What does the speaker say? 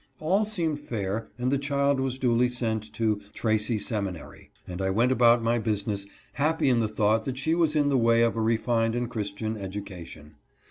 All seemed fair, and the child was duly sent to " Tracy Seminary," and I went about my business happy in the thought that she was in the way of a refined and Christian education.